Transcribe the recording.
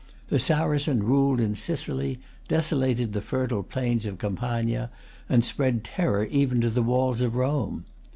The Saracen ruled in Sicily, desolated the fertile plains of Campania, and spread terror even to the walls of Rome.